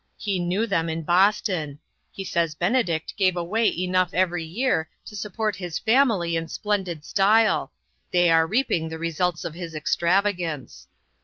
He knew them in Boston. He says Benedict gave away enough every year to support his family in splendid style. They are reaping the results of his extravagance."